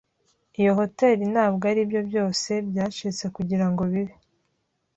Iyo hoteri ntabwo aribyo byose byacitse kugirango bibe.